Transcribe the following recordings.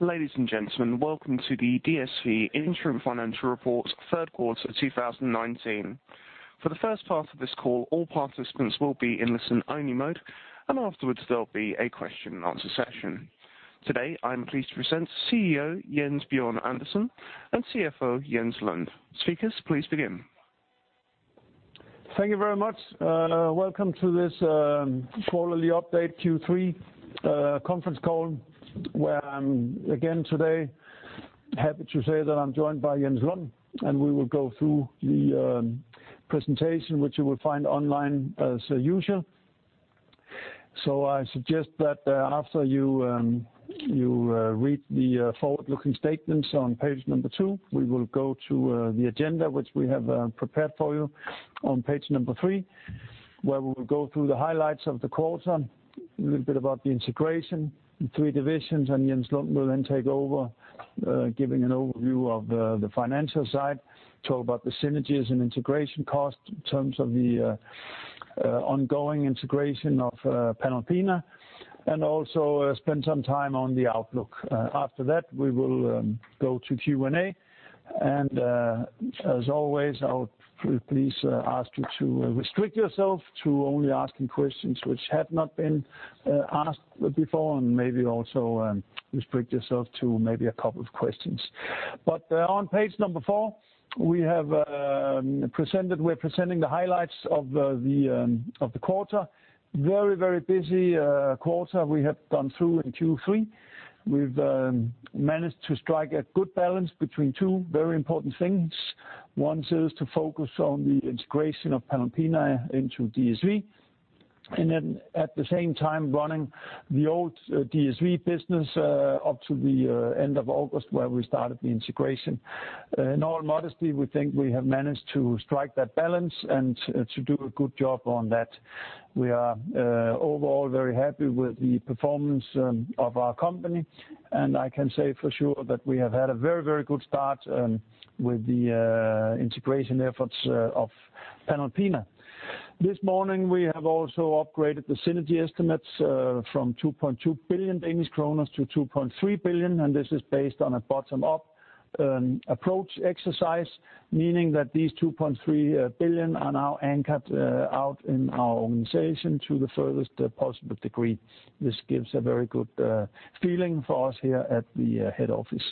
Ladies and gentlemen, welcome to the DSV Interim Financial Report, third quarter 2019. For the first part of this call, all participants will be in listen-only mode, afterwards, there'll be a question and answer session. Today, I'm pleased to present CEO, Jens Bjørn Andersen, and CFO, Jens Lund. Speakers, please begin. Thank you very much. Welcome to this quarterly update Q3 conference call, where I'm again today happy to say that I'm joined by Jens Lund. We will go through the presentation, which you will find online as usual. I suggest that after you read the forward-looking statements on page number two, we will go to the agenda, which we have prepared for you on page number three, where we will go through the highlights of the quarter. A little bit about the integration, the three divisions. Jens Lund will then take over, giving an overview of the financial side, talk about the synergies and integration cost in terms of the ongoing integration of Panalpina. Also spend some time on the outlook. After that, we will go to Q&A. As always, I would please ask you to restrict yourself to only asking questions which have not been asked before, and maybe also restrict yourself to maybe a couple of questions. On page number four, we're presenting the highlights of the quarter. Very busy quarter we have gone through in Q3. We've managed to strike a good balance between two very important things. One is to focus on the integration of Panalpina into DSV. At the same time running the old DSV business up to the end of August, where we started the integration. In all modesty, we think we have managed to strike that balance and to do a good job on that. We are overall very happy with the performance of our company, and I can say for sure that we have had a very good start with the integration efforts of Panalpina. This morning, we have also upgraded the synergy estimates from 2.2 billion Danish kroner to 2.3 billion, and this is based on a bottom-up approach exercise, meaning that these 2.3 billion are now anchored out in our organization to the furthest possible degree. This gives a very good feeling for us here at the head office.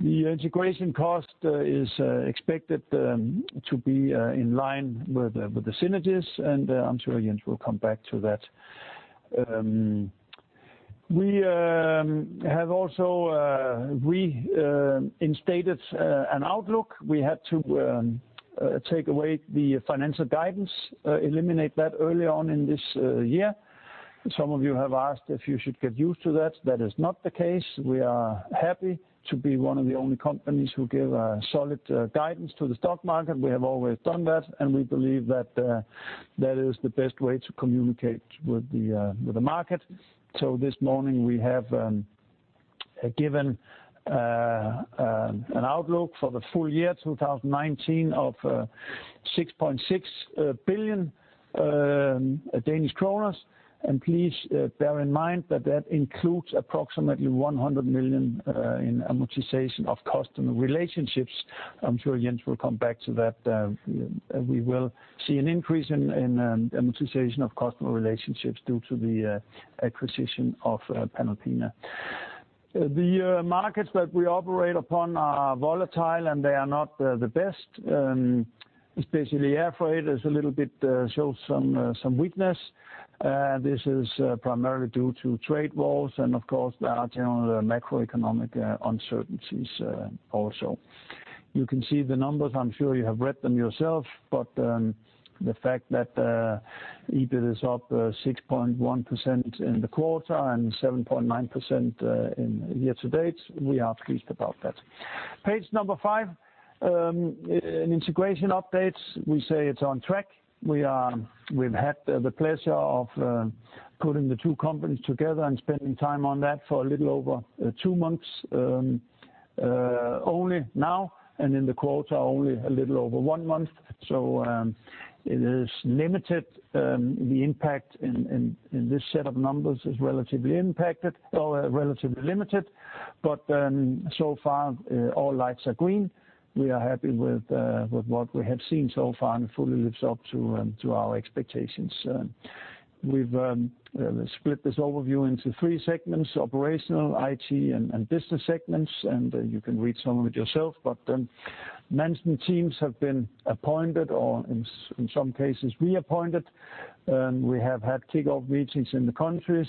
The integration cost is expected to be in line with the synergies, and I'm sure Jens will come back to that. We have also reinstated an outlook. We had to take away the financial guidance, eliminate that early on in this year. Some of you have asked if you should get used to that. That is not the case. We are happy to be one of the only companies who give a solid guidance to the stock market. We have always done that. We believe that is the best way to communicate with the market. This morning, we have given an outlook for the full year 2019 of 6.6 billion Danish kroner. Please bear in mind that includes approximately 100 million in amortization of customer relationships. I'm sure Jens will come back to that. We will see an increase in amortization of customer relationships due to the acquisition of Panalpina. The markets that we operate upon are volatile. They are not the best. Especially Air Freight shows some weakness. This is primarily due to trade wars. Of course, our general macroeconomic uncertainties also. You can see the numbers. I'm sure you have read them yourself, the fact that EBIT is up 6.1% in the quarter and 7.9% in year-to-date, we are pleased about that. Page number five. An integration update. We say it's on track. We've had the pleasure of putting the two companies together and spending time on that for a little over two months only now, and in the quarter, only a little over one month. It is limited. The impact in this set of numbers is relatively limited, but so far all lights are green. We are happy with what we have seen so far, and it fully lives up to our expectations. We've split this overview into three segments, operational, IT, and business segments, and you can read some of it yourself. Management teams have been appointed or in some cases reappointed. We have had kickoff meetings in the countries.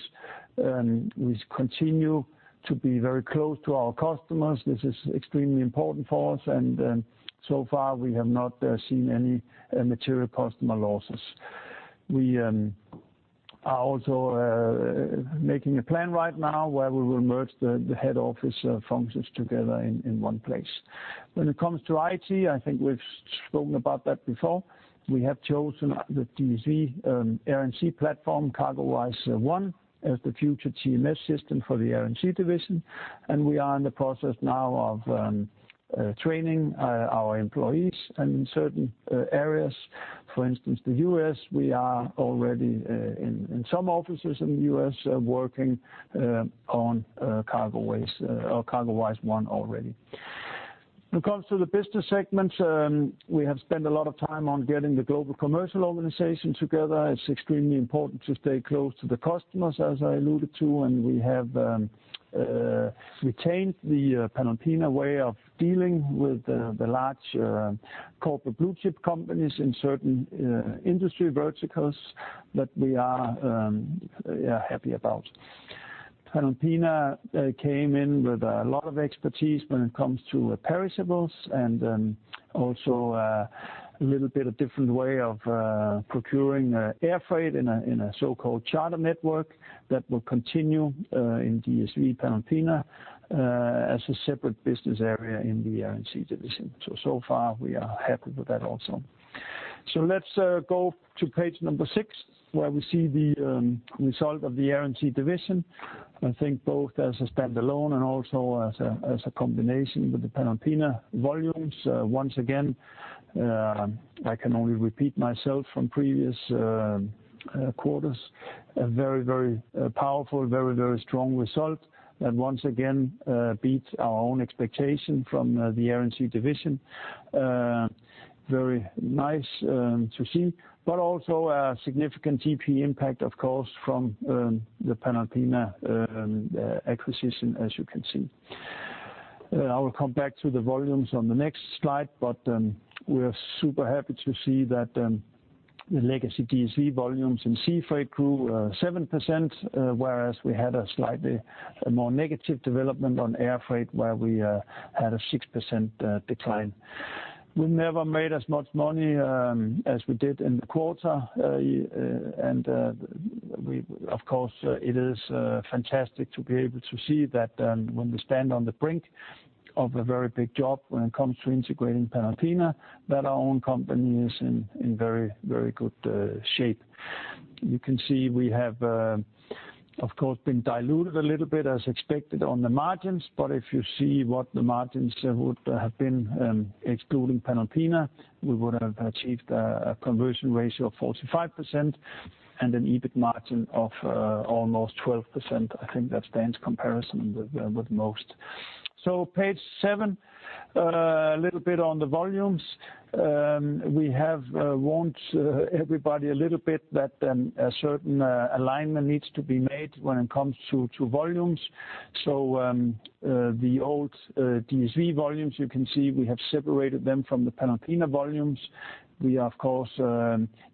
We continue to be very close to our customers. So far, we have not seen any material customer losses. We are also making a plan right now where we will merge the head office functions together in one place. When it comes to IT, I think we've spoken about that before. We have chosen the DSV Air & Sea platform, CargoWise One, as the future TMS system for the Air & Sea division. We are in the process now of training our employees in certain areas. For instance, the U.S., we are already in some offices in the U.S. working on CargoWise One already. When it comes to the business segments, we have spent a lot of time on getting the global commercial organization together. It's extremely important to stay close to the customers, as I alluded to, and we have retained the Panalpina way of dealing with the large corporate blue-chip companies in certain industry verticals that we are happy about. Panalpina came in with a lot of expertise when it comes to perishables and also a little bit of different way of procuring air freight in a so-called charter network that will continue in DSV Panalpina as a separate business area in the Air & Sea division. So far, we are happy with that also. Let's go to page number six, where we see the result of the Air & Sea division. I think both as a standalone and also as a combination with the Panalpina volumes. Once again, I can only repeat myself from previous quarters, a very powerful, very strong result that once again beats our own expectation from the Air & Sea division. Very nice to see, also a significant GP impact, of course, from the Panalpina acquisition, as you can see. I will come back to the volumes on the next slide, we are super happy to see that the legacy DSV volumes in sea freight grew 7%, whereas we had a slightly more negative development on air freight, where we had a 6% decline. We never made as much money as we did in the quarter. Of course, it is fantastic to be able to see that when we stand on the brink of a very big job when it comes to integrating Panalpina, that our own company is in very good shape. You can see we have, of course, been diluted a little bit as expected on the margins. If you see what the margins would have been excluding Panalpina, we would have achieved a conversion ratio of 45% and an EBIT margin of almost 12%. I think that stands comparison with most. Page seven, a little bit on the volumes. We have warned everybody a little bit that a certain alignment needs to be made when it comes to volumes. The old DSV volumes, you can see we have separated them from the Panalpina volumes. We, of course,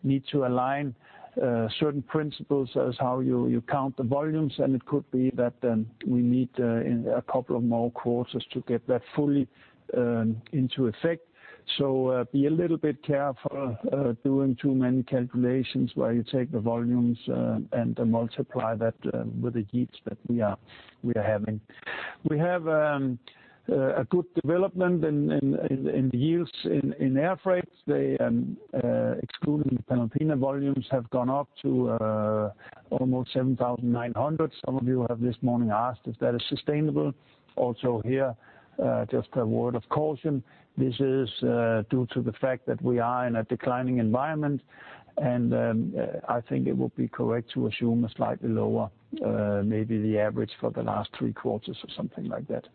need to align certain principles as how you count the volumes, and it could be that we need a couple of more quarters to get that fully into effect. Be a little bit careful doing too many calculations where you take the volumes and multiply that with the yields that we are having. We have a good development in the yields in air freight. Excluding Panalpina volumes, have gone up to almost 7,900. Some of you have this morning asked if that is sustainable. Here, just a word of caution. This is due to the fact that we are in a declining environment, and I think it would be correct to assume a slightly lower, maybe the average for the last three quarters or something like that.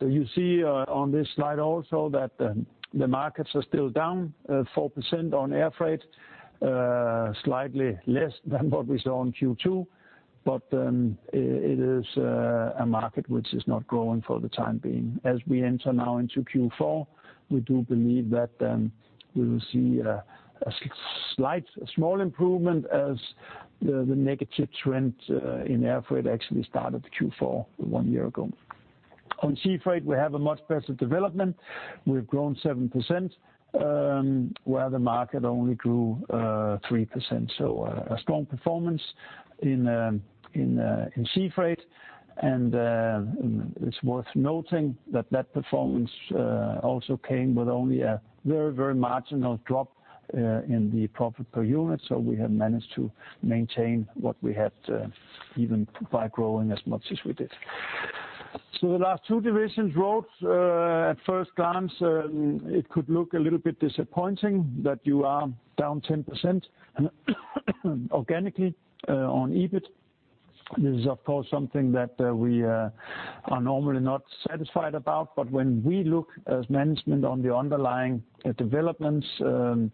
You see on this slide also that the markets are still down 4% on air freight, slightly less than what we saw in Q2. It is a market which is not growing for the time being. As we enter now into Q4, we do believe that we will see a slight, small improvement as the negative trend in air freight actually started Q4, one year ago. On sea freight, we have a much better development. We've grown 7%, where the market only grew 3%. A strong performance in sea freight, and it's worth noting that that performance also came with only a very, very marginal drop in the profit per unit. We have managed to maintain what we had even by growing as much as we did. The last two divisions, Road, at first glance, it could look a little bit disappointing that you are down 10% organically on EBIT. This is, of course, something that we are normally not satisfied about. When we look as management on the underlying developments and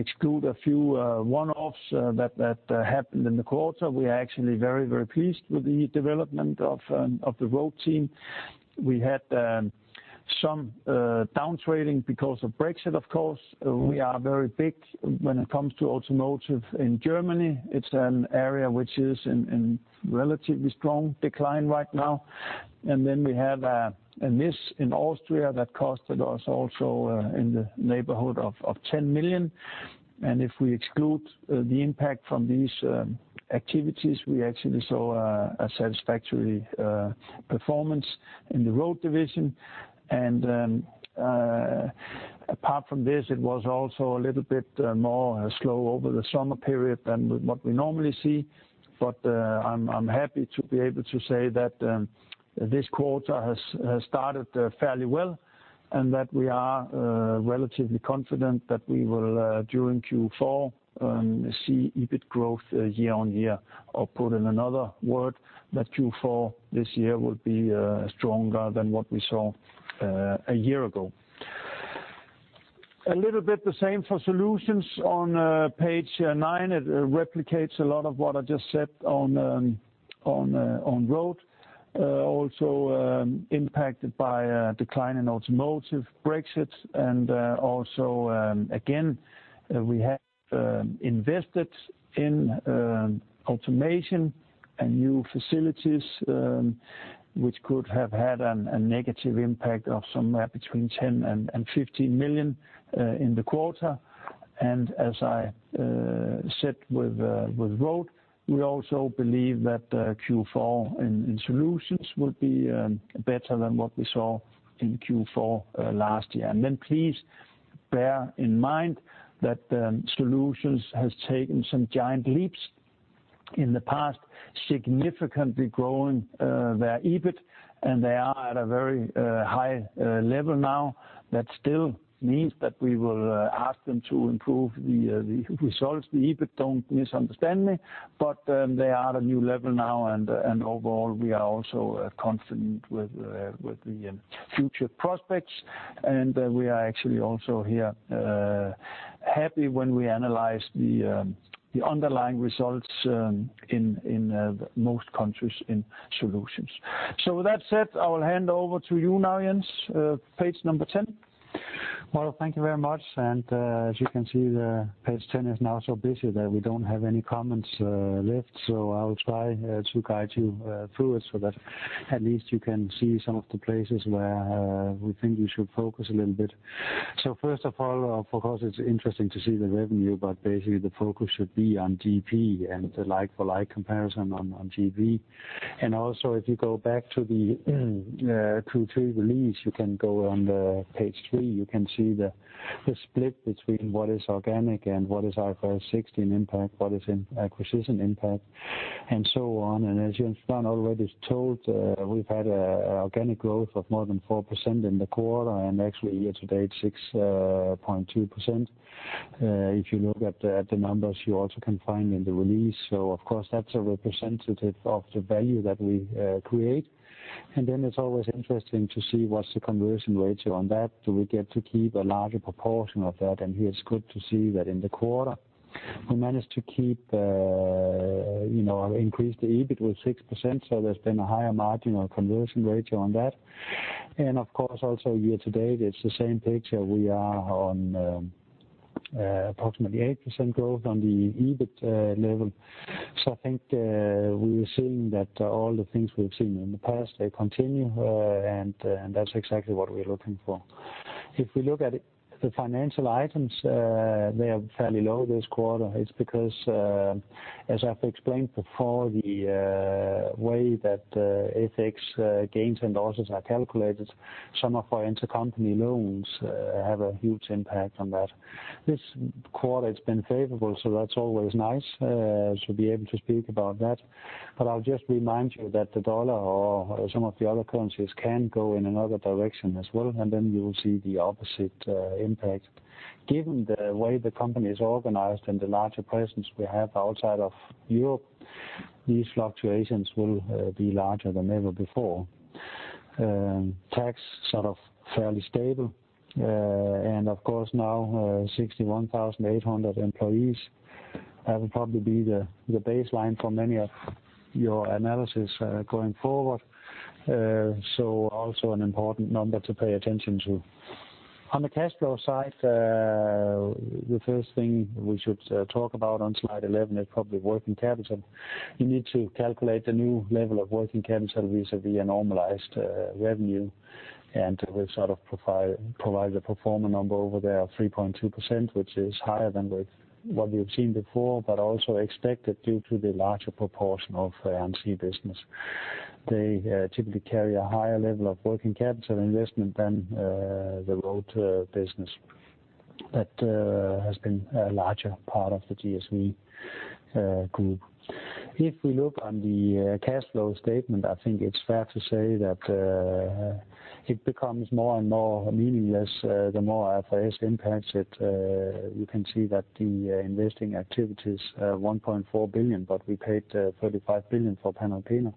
exclude a few one-offs that happened in the quarter, we are actually very, very pleased with the development of the Road team. We had some down trading because of Brexit, of course. We are very big when it comes to automotive in Germany. It's an area which is in relatively strong decline right now. Then we had a miss in Austria that costed us also in the neighborhood of 10 million. If we exclude the impact from these activities, we actually saw a satisfactory performance in the Road division. Apart from this, it was also a little bit more slow over the summer period than what we normally see. I'm happy to be able to say that this quarter has started fairly well, and that we are relatively confident that we will, during Q4, see EBIT growth year-on-year. Put in another word, that Q4 this year will be stronger than what we saw a year ago. A little bit the same for Solutions on page nine. It replicates a lot of what I just said on Road. Also impacted by a decline in automotive, Brexit, and also again, we have invested in automation and new facilities, which could have had a negative impact of somewhere between 10 million and 15 million in the quarter. As I said with Road, we also believe that Q4 in Solutions will be better than what we saw in Q4 last year. Then please bear in mind that Solutions has taken some giant leaps in the past, significantly growing their EBIT, and they are at a very high level now. That still means that we will ask them to improve the results, the EBIT, don't misunderstand me, but they are at a new level now, and overall, we are also confident with the future prospects. We are actually also here happy when we analyze the underlying results in most countries in Solutions. With that said, I will hand over to you now, Jens. Page number 10. Well, thank you very much. As you can see, page 10 is now so busy that we don't have any comments left. I will try to guide you through it so that at least you can see some of the places where we think you should focus a little bit. First of all, of course, it's interesting to see the revenue, but basically the focus should be on GP and the like-for-like comparison on GP. Also if you go back to the Q3 release, you can go on page three, you can see the split between what is organic and what is IFRS 16 impact, what is acquisition impact, and so on. As Jens Bjørn already told, we've had organic growth of more than 4% in the quarter, and actually year-to-date, 6.2%. If you look at the numbers, you also can find in the release. Of course, that's a representative of the value that we create. Then it's always interesting to see what's the conversion ratio on that. Do we get to keep a larger proportion of that? Here it's good to see that in the quarter we managed to increase the EBIT with 6%, so there's been a higher margin on conversion ratio on that. Of course, also year to date, it's the same picture. We are on approximately 8% growth on the EBIT level. I think we are seeing that all the things we've seen in the past, they continue, and that's exactly what we're looking for. If we look at the financial items, they are fairly low this quarter. It's because, as I've explained before, the way that FX gains and losses are calculated, some of our intercompany loans have a huge impact on that. This quarter it's been favorable, that's always nice to be able to speak about that. I'll just remind you that the dollar or some of the other currencies can go in another direction as well, and then you will see the opposite impact. Given the way the company is organized and the larger presence we have outside of Europe, these fluctuations will be larger than ever before. Tax, sort of fairly stable. And of course now 61,800 employees. That will probably be the baseline for many of your analysis going forward. Also an important number to pay attention to. On the cash flow side, the first thing we should talk about on slide 11 is probably working capital. You need to calculate the new level of working capital vis-à-vis a normalized revenue. We've sort of provided a pro forma number over there of 3.2%, which is higher than what we've seen before, but also expected due to the larger proportion of A&S business. They typically carry a higher level of working capital investment than the Road business. That has been a larger part of the DSV group. If we look on the cash flow statement, I think it's fair to say that it becomes more and more meaningless the more IFRS impacts it. You can see that the investing activity's 1.4 billion, but we paid 35 billion for Panalpina.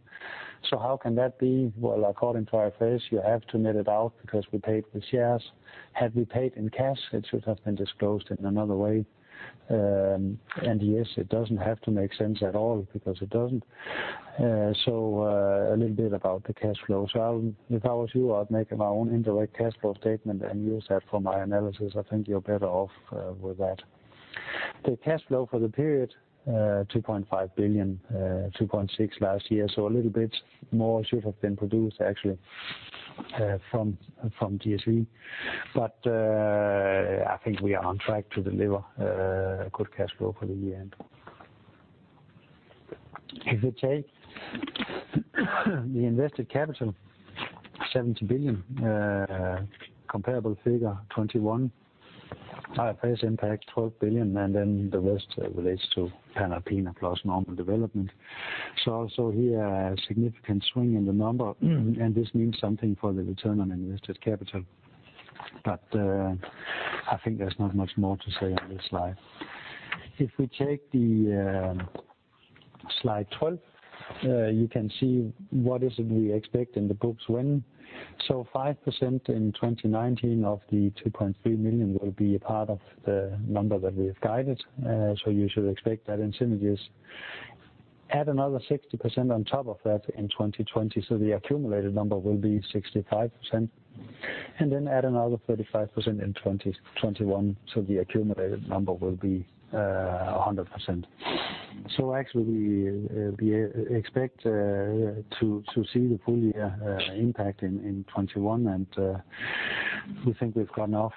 How can that be? According to IFRS, you have to net it out because we paid with shares. Had we paid in cash, it should have been disclosed in another way. Yes, it doesn't have to make sense at all because it doesn't. A little bit about the cash flow. If I was you, I'd make my own indirect cash flow statement and use that for my analysis. I think you're better off with that. The cash flow for the period, 2.5 billion, 2.6 billion last year. A little bit more should have been produced, actually, from DSV. I think we are on track to deliver good cash flow for the year-end. If we take the invested capital, 70 billion, comparable figure 21, IFRS impact 12 billion, the rest relates to Panalpina plus normal development. Also here, a significant swing in the number, this means something for the return on invested capital. I think there's not much more to say on this slide. If we take the slide 12, you can see what is it we expect in the books when. 5% in 2019 of the 2.3 million will be a part of the number that we have guided. You should expect that in synergies. Add another 60% on top of that in 2020, the accumulated number will be 65%. Add another 35% in 2021, the accumulated number will be 100%. Actually, we expect to see the full year impact in 2021, and we think we've gotten off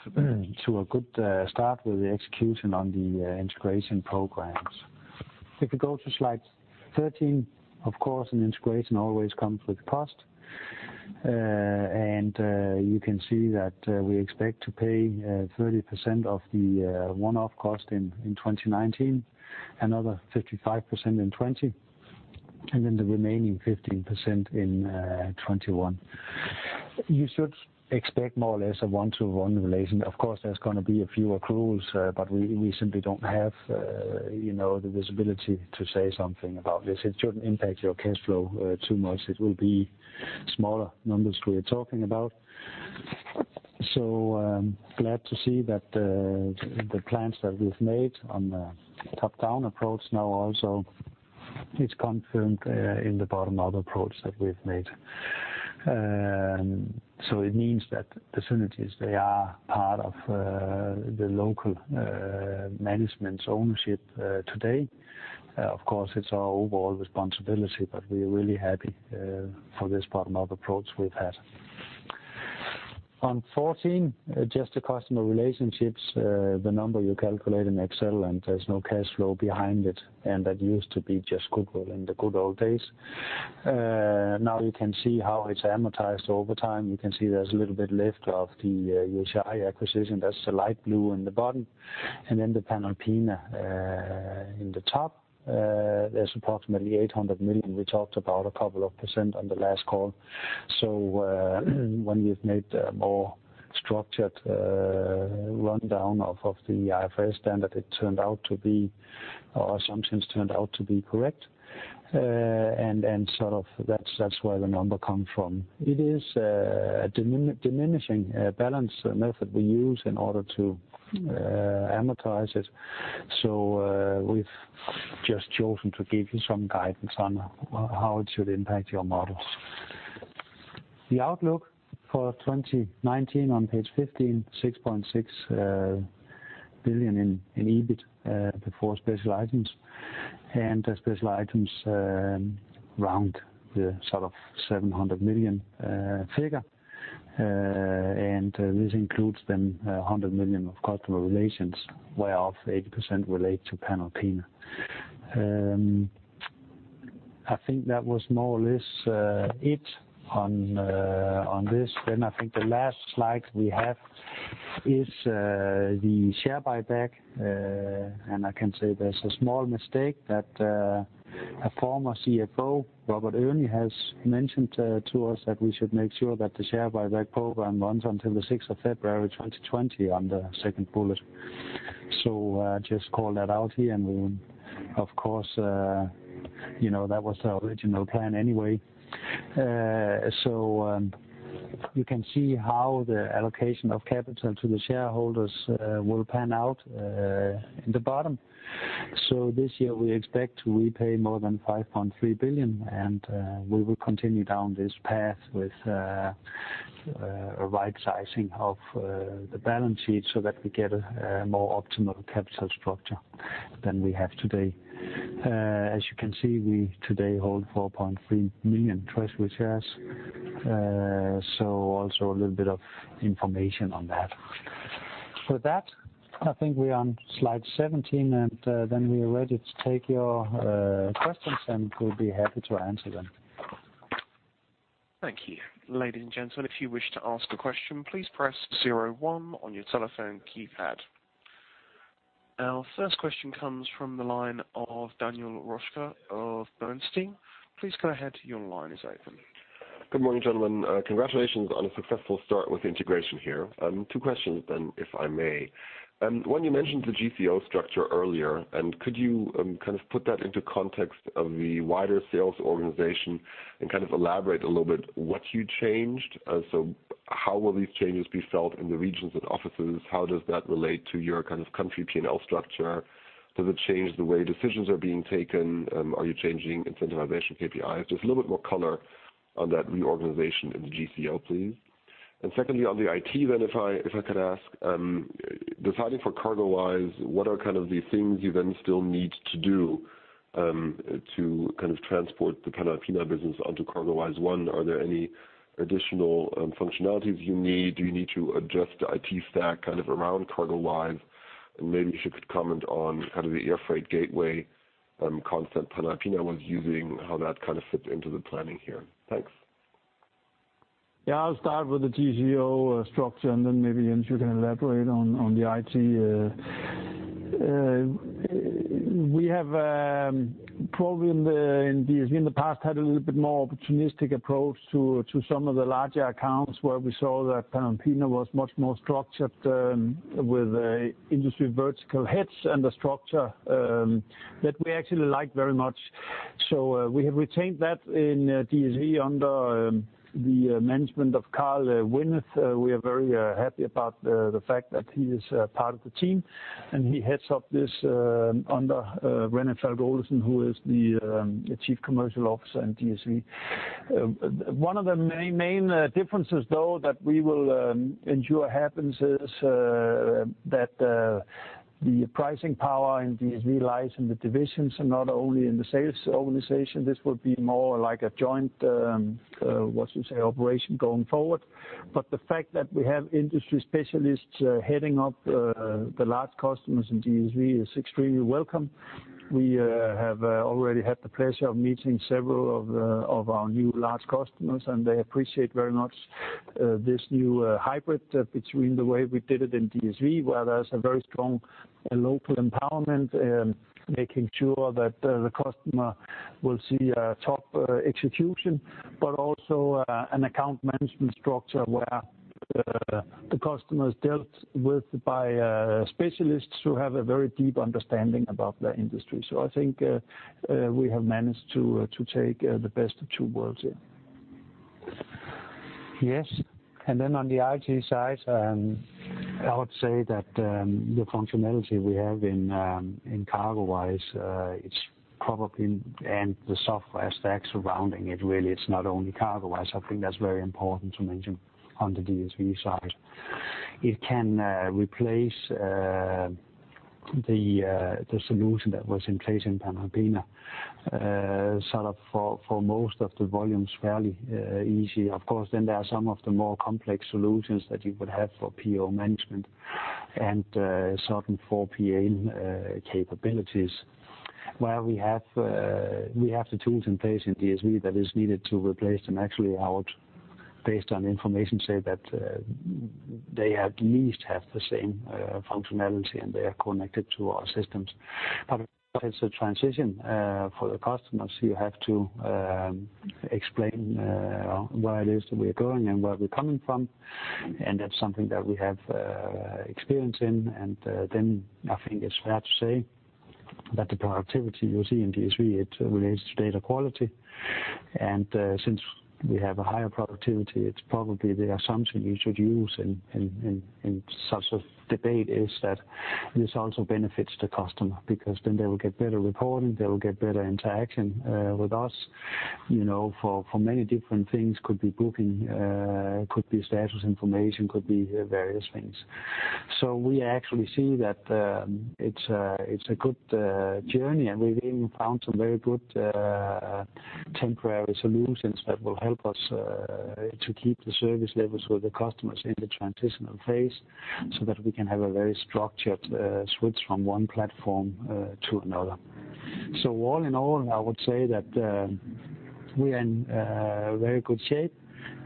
to a good start with the execution on the integration programs. If we go to slide 13, of course, an integration always comes with cost. You can see that we expect to pay 30% of the one-off cost in 2019, another 35% in 2020, the remaining 15% in 2021. You should expect more or less a one-to-one relation. Of course, there's going to be a few accruals, but we simply don't have the visibility to say something about this. It shouldn't impact your cash flow too much. It will be smaller numbers we're talking about. Glad to see that the plans that we've made on the top-down approach now also is confirmed in the bottom-up approach that we've made. It means that the synergies, they are part of the local management's ownership today. Of course, it's our overall responsibility, but we are really happy for this bottom-up approach we've had. On 14, just the customer relationships, the number you calculate in Excel, and there's no cash flow behind it, and that used to be just goodwill in the good old days. Now you can see how it's amortized over time. You can see there's a little bit left of the UTi acquisition. That's the light blue in the bottom. The Panalpina in the top. There's approximately 800 million. We talked about a couple of percent on the last call. When we've made a more structured rundown of the IFRS standard, our assumptions turned out to be correct, and that's where the number comes from. It is a diminishing balance method we use in order to amortize it. We've just chosen to give you some guidance on how it should impact your models. The outlook for 2019 on page 15, 6.6 billion in EBIT before special items. Special items around the 700 million figure. This includes then 100 million of customer relations, where of 80% relate to Panalpina. I think that was more or less it on this. I think the last slide we have is the share buyback. I can say there's a small mistake that a former CFO, Robert Erni, has mentioned to us that we should make sure that the share buyback program runs until the 6th of February 2020 on the second bullet. Just call that out here, and of course, that was our original plan anyway. You can see how the allocation of capital to the shareholders will pan out in the bottom. This year, we expect to repay more than 5.3 billion, and we will continue down this path with a right sizing of the balance sheet so that we get a more optimal capital structure than we have today. As you can see, we today hold 4.3 million treasury shares. Also a little bit of information on that. With that, I think we're on slide 17, and then we are ready to take your questions, and we'll be happy to answer them. Thank you. Ladies and gentlemen, if you wish to ask a question, please press 01 on your telephone keypad. Our first question comes from the line of Daniel Röska of Bernstein. Please go ahead, your line is open. Good morning, gentlemen. Congratulations on a successful start with integration here. Two questions then, if I may. One, you mentioned the GCO structure earlier, could you put that into context of the wider sales organization and elaborate a little bit what you changed? How will these changes be felt in the regions and offices? How does that relate to your country P&L structure? Does it change the way decisions are being taken? Are you changing incentivization KPIs? Just a little bit more color on that reorganization in the GCO, please. Secondly, on the IT then, if I could ask, deciding for CargoWise, what are the things you then still need to do to transport the Panalpina business onto CargoWise One? Are there any additional functionalities you need? Do you need to adjust the IT stack around CargoWise? Maybe if you could comment on the air freight Gateway concept Panalpina was using, how that fits into the planning here. Thanks. Yeah, I'll start with the GCO structure, then maybe Jens, you can elaborate on the IT. We have probably in DSV in the past had a little bit more opportunistic approach to some of the larger accounts where we saw that Panalpina was much more structured with industry vertical heads and a structure that we actually like very much. We have retained that in DSV under the management of Carsten Trolle. We are very happy about the fact that he is part of the team, and he heads up this under René Falch Olesen, who is the Chief Commercial Officer in DSV. One of the main differences, though, that we will ensure happens is that the pricing power in DSV lies in the divisions and not only in the sales organization. This will be more like a joint, what you say, operation going forward. The fact that we have industry specialists heading up the large customers in DSV is extremely welcome. We have already had the pleasure of meeting several of our new large customers, and they appreciate very much this new hybrid between the way we did it in DSV, where there's a very strong local empowerment, making sure that the customer will see top execution, but also an account management structure where the customer is dealt with by specialists who have a very deep understanding about their industry. I think we have managed to take the best of two worlds here. Yes. On the IT side, I would say that the functionality we have in CargoWise, the software stack surrounding it, really, it's not only CargoWise. I think that's very important to mention on the DSV side. It can replace the solution that was in place in Panalpina, set up for most of the volumes fairly easy. Of course, there are some of the more complex solutions that you would have for PO management and certain 4PL capabilities where we have the tools in place in DSV that is needed to replace them. Actually, I would, based on information, say that they at least have the same functionality, and they are connected to our systems. It's a transition for the customers. You have to explain where it is that we're going and where we're coming from, and that's something that we have experience in. Then I think it's fair to say that the productivity you see in DSV, it relates to data quality. Since we have a higher productivity, it's probably the assumption you should use in such a debate is that this also benefits the customer because then they will get better reporting, they will get better interaction with us for many different things. Could be booking, could be status information, could be various things. We actually see that it's a good journey, and we've even found some very good temporary solutions that will help us to keep the service levels with the customers in the transitional phase so that we can have a very structured switch from one platform to another. All in all, I would say that we are in a very good shape,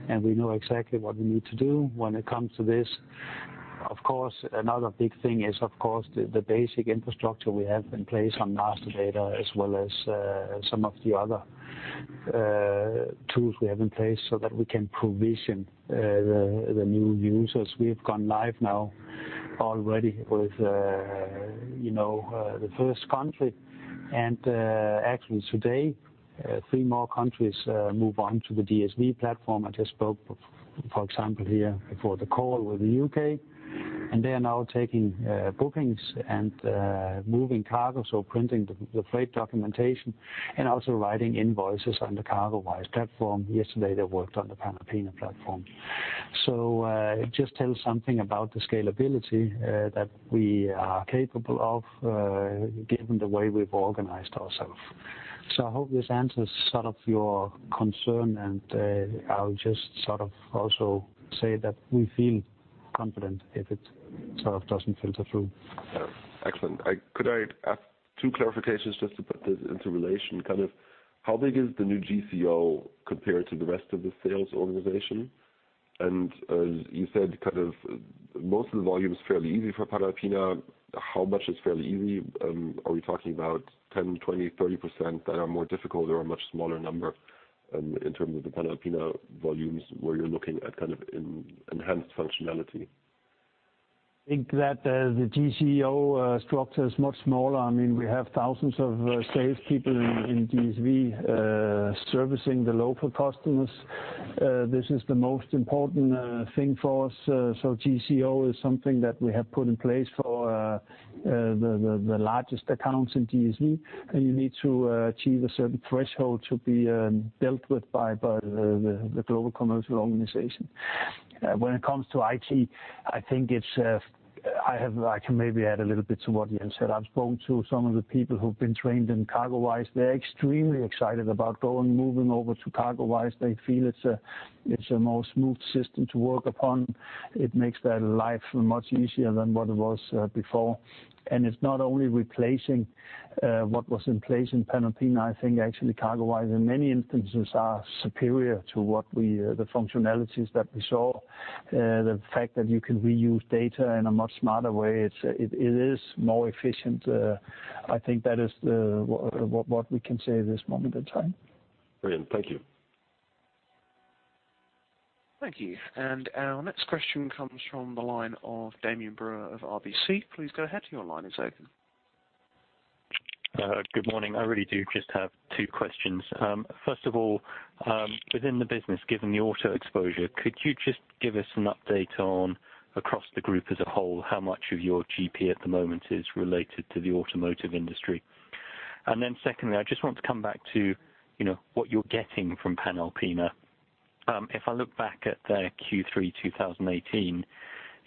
and we know exactly what we need to do when it comes to this. Another big thing is, of course, the basic infrastructure we have in place on master data, as well as some of the other tools we have in place so that we can provision the new users. We have gone live now already with the first country, and actually today, three more countries move on to the DSV platform. I just spoke, for example, here before the call with the U.K., and they are now taking bookings and moving cargo, so printing the freight documentation and also writing invoices on the CargoWise platform. Yesterday, they worked on the Panalpina platform. It just tells something about the scalability that we are capable of given the way we've organized ourselves. I hope this answers sort of your concern, and I'll just sort of also say that we feel confident if it sort of doesn't filter through. Excellent. Could I ask two clarifications just to put this into relation, kind of how big is the new GCO compared to the rest of the sales organization? You said kind of most of the volume is fairly easy for Panalpina. How much is fairly easy? Are we talking about 10%, 20%, 30% that are more difficult or a much smaller number in terms of the Panalpina volumes where you're looking at kind of enhanced functionality? I think that the GCO structure is much smaller. We have thousands of salespeople in DSV servicing the local customers. This is the most important thing for us. GCO is something that we have put in place for the largest accounts in DSV. You need to achieve a certain threshold to be dealt with by the global commercial organization. When it comes to IT, I can maybe add a little bit to what Jens said. I've spoken to some of the people who've been trained in CargoWise. They're extremely excited about moving over to CargoWise. They feel it's a more smooth system to work upon. It makes their life much easier than what it was before. It's not only replacing what was in place in Panalpina. I think actually CargoWise, in many instances, are superior to the functionalities that we saw. The fact that you can reuse data in a much smarter way, it is more efficient. I think that is what we can say at this moment in time. Brilliant. Thank you. Thank you. Our next question comes from the line of Damian Brewer of RBC. Please go ahead. Your line is open. Good morning. I really do just have two questions. First of all, within the business, given the auto exposure, could you just give us an update on, across the group as a whole, how much of your GP at the moment is related to the automotive industry? Then secondly, I just want to come back to what you're getting from Panalpina. If I look back at their Q3 2018,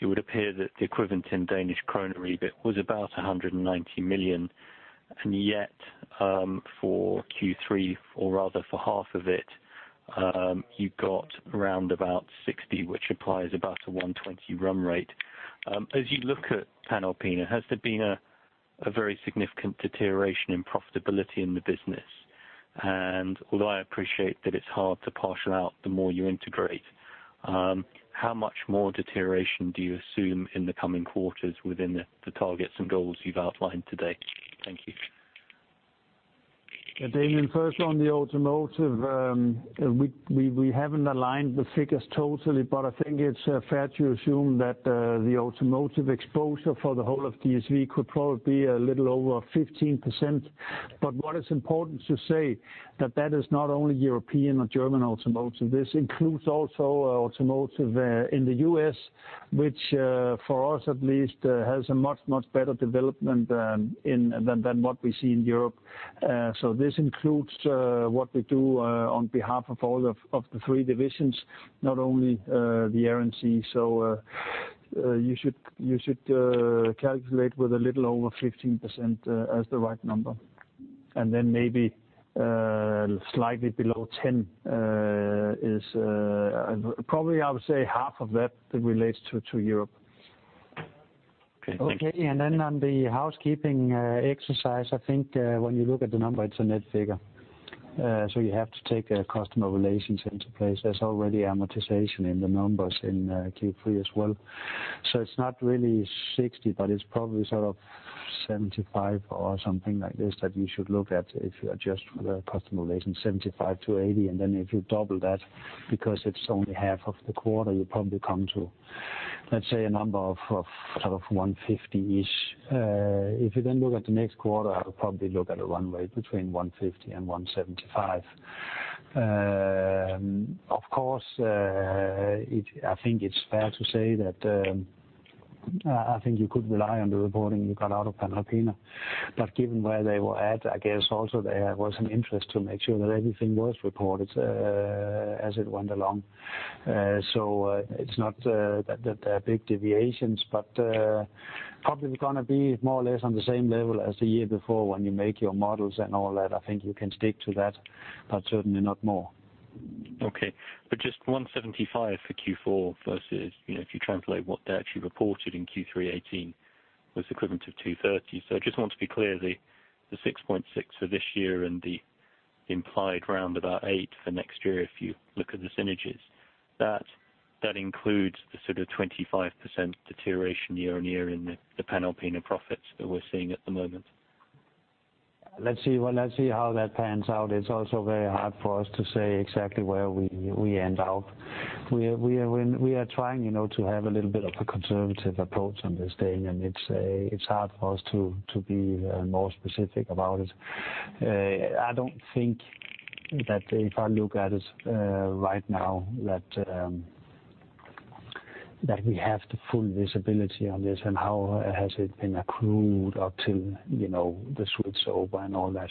it would appear that the equivalent in DKK, EBIT, was about 190 million. Yet, for Q3, or rather for half of it, you've got around about 60, which implies about a 120 run rate. As you look at Panalpina, has there been a very significant deterioration in profitability in the business? Although I appreciate that it's hard to partial out the more you integrate, how much more deterioration do you assume in the coming quarters within the targets and goals you've outlined today? Thank you. Damian, first on the automotive, we haven't aligned the figures totally, but I think it's fair to assume that the automotive exposure for the whole of DSV could probably be a little over 15%. What is important to say, that that is not only European or German automotive. This includes also automotive in the U.S., which, for us at least, has a much, much better development than what we see in Europe. This includes what we do on behalf of all of the three divisions, not only the Road and Solutions. You should calculate with a little over 15% as the right number. Then maybe slightly below 10 is, probably I would say half of that relates to Europe. Okay. Thank you. Okay. On the housekeeping exercise, I think when you look at the number, it's a net figure. You have to take customer relations into place. There's already amortization in the numbers in Q3 as well. It's not really 60, but it's probably sort of 75 or something like this that you should look at if you adjust for the customer relations, 75-80. If you double that, because it's only half of the quarter, you probably come to, let's say, a number of sort of 150-ish. If you look at the next quarter, I would probably look at a run rate between 150 and 175. Of course, I think it's fair to say that, I think you could rely on the reporting you got out of Panalpina. Given where they were at, I guess also there was an interest to make sure that everything was reported as it went along. It's not that there are big deviations, but probably going to be more or less on the same level as the year before when you make your models and all that. I think you can stick to that, but certainly not more. Okay. Just 175 million for Q4 versus, if you translate what they actually reported in Q3 2018, was equivalent to 230 million. I just want to be clear, the 6.6 for this year and the implied round about 8 for next year, if you look at the synergies, that includes the sort of 25% deterioration year-on-year in the Panalpina profits that we're seeing at the moment? Let's see how that pans out. It's also very hard for us to say exactly where we end out. We are trying to have a little bit of a conservative approach on this, Damian. It's hard for us to be more specific about it. I don't think that if I look at it right now, that we have the full visibility on this and how has it been accrued up till the switchover and all that.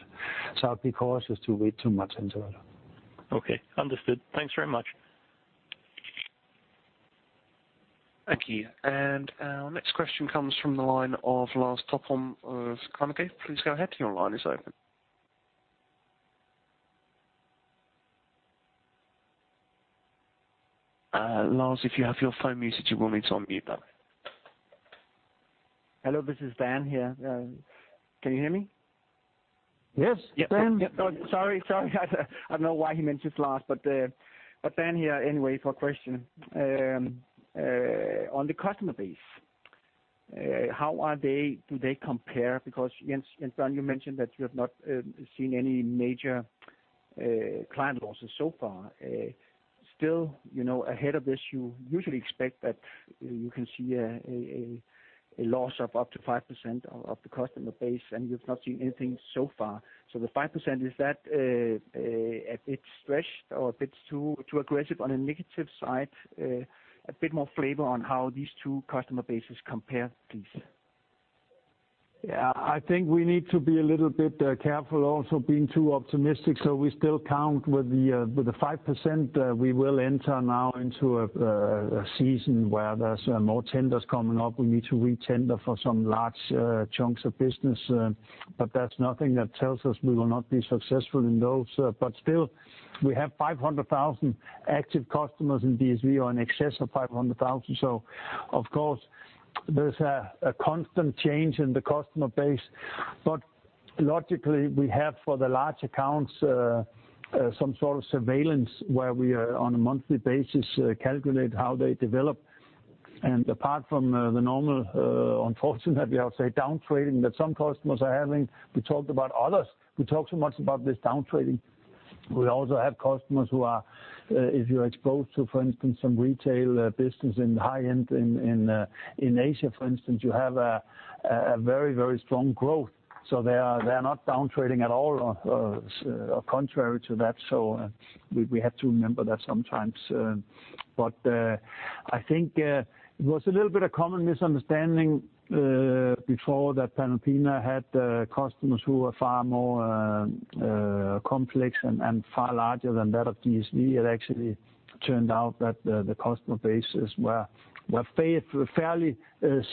I'd be cautious to read too much into it. Okay. Understood. Thanks very much. Thank you. Our next question comes from the line of Lars Topholm of Carnegie. Please go ahead. Your line is open. Lars, if you have your phone muted, you will need to unmute that. Hello, this is Dan here. Can you hear me? Yes. Dan. Sorry. I don't know why he mentions Lars, Dan here anyway for a question. On the customer base, how do they compare? Jens, you mentioned that you have not seen any major client losses so far. Ahead of this, you usually expect that you can see a loss of up to 5% of the customer base, and you've not seen anything so far. The 5%, is that a bit stretched or a bit too aggressive on a negative side? A bit more flavor on how these two customer bases compare, please. I think we need to be a little bit careful also being too optimistic. We still count with the 5%. We will enter now into a season where there's more tenders coming up. We need to retender for some large chunks of business. That's nothing that tells us we will not be successful in those. Still, we have 500,000 active customers in DSV, or in excess of 500,000. Of course, there's a constant change in the customer base. Logically, we have for the large accounts, some sort of surveillance where we on a monthly basis calculate how they develop. Apart from the normal, unfortunately, I would say down trading that some customers are having, we talked about others. We talk so much about this down trading. We also have customers who are, if you're exposed to, for instance, some retail business in high-end in Asia, for instance, you have a very strong growth. They are not down trading at all or contrary to that. We have to remember that sometimes. I think it was a little bit of common misunderstanding before that Panalpina had customers who were far more complex and far larger than that of DSV. It actually turned out that the customer bases were fairly